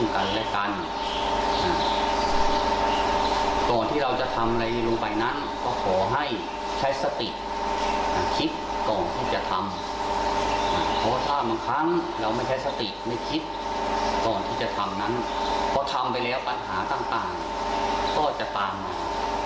ก็จะทำนั้นเพราะทำไปแล้วปัญหาต่างก็จะตามมา